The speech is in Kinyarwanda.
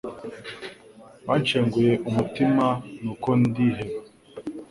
Banshenguye umutima nuko ndiheba